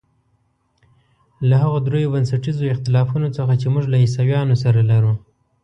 له هغو درېیو بنسټیزو اختلافونو څخه چې موږ له عیسویانو سره لرو.